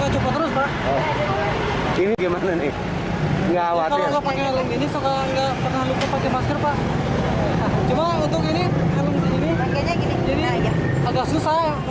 jadi agak susah mau coba terus